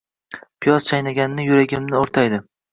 piyoz chaynagani yuragimni o‘rtaydi.